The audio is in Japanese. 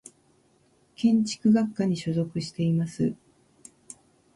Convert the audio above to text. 建築学科に所属しています。